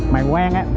mài quang á